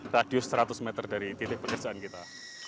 radius seratus meter dari titik pekerjaan kita